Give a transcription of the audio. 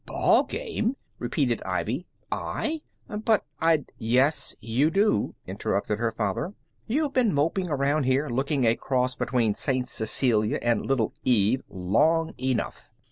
"Ball game!" repeated Ivy. "I? But I'd " "Yes, you do," interrupted her father. "You've been moping around here looking a cross between Saint Cecilia and Little Eva long enough.